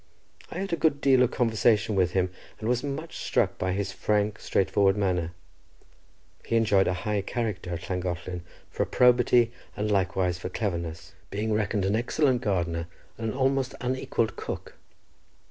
I had a good deal of conversation with him, and was much struck with his frank, straightforward manner. He enjoyed a high character at Llangollen for probity, and likewise for cleverness, being reckoned an excellent gardener, and an almost unequalled cook.